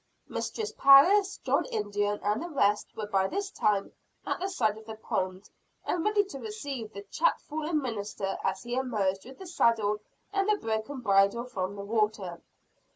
Mistress Parris, John Indian and the rest were by this time at the side of the pond, and ready to receive the chapfallen minister as he emerged with the saddle and the broken bridle from the water.